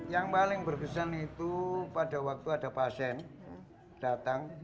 yang paling berkesan itu pada waktu ada pasien datang